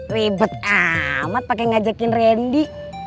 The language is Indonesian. ribet amat pake ngajakin rendy